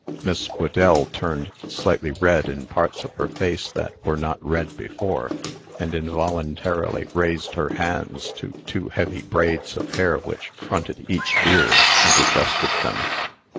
Miss Whedell turned slightly red in parts of her face that were not red before, and involuntarily raised her hands to two heavy braids of hair which fronted each ear, and adjusted them.